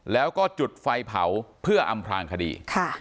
แล้วก็จุดไฟเผาเพื่ออำพลางคดี